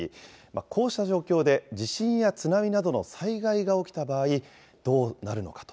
こうした状況で、地震や津波などの災害が起きた場合、どうなるのかと。